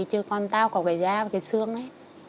chứ con tao có cái da và cái xương ấy